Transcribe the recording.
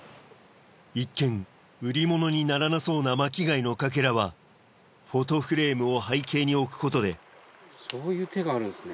一見売り物にならなそうな巻き貝のかけらはフォトフレームを背景に置くことでそういうてがあるんですね。